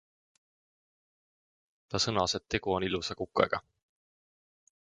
Ta sõnas, et tegu on ilusa kukega.